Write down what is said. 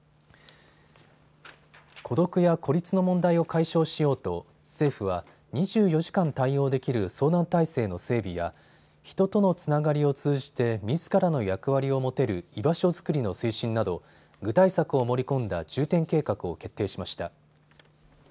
孤独や孤立の問題を解消しようと政府は２４時間対応できる相談体制の整備や人とのつながりを通じてみずからの役割を持てる居場所づくりの推進など具体策を盛り込んだ重点計画を決定しました。